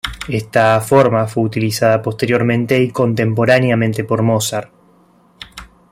Esta forma fue utilizada posteriormente y contemporáneamente por Mozart.